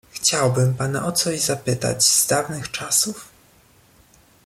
"Chciałbym pana o coś zapytać z dawnych czasów."